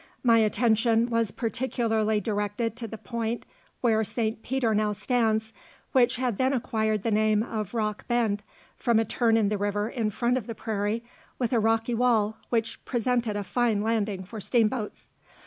My attention was particularly directed to the point where St. Peter now stands, which had then acquired the name of Rock Bend, from a turn in the river in front of the prairie, with a rocky wall which presented a fine landing for steamboats.